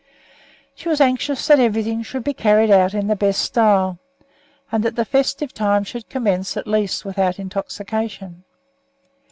She was anxious that everything should be carried out in the best style, and that the festive time should commence at least without intoxication.